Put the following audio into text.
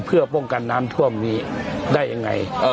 เพื่อป้องกันน้ำท่วมนี้ได้ยังไง